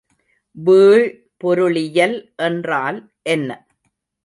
வீழ்பொருளியல் என்றால் என்ன?